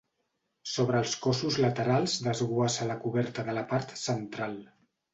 Sobre els cossos laterals desguassa la coberta de la part central.